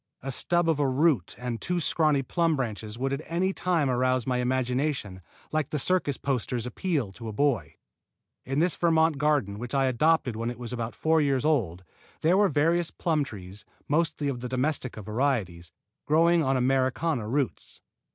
A stub of a root and two scrawny plum branches would at any time arouse my imagination like the circus posters' appeal to a boy. In this Vermont garden which I adopted when it was about four years old, there were various plum trees, mostly of domestica varieties, growing on Americana roots.